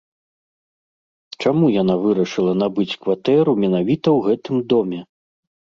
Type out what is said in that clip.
Чаму яна вырашыла набыць кватэру менавіта ў гэтым доме?